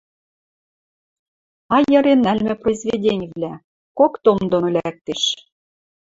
Айырен нӓлмӹ произведенивлӓ: кок том доно лӓктеш.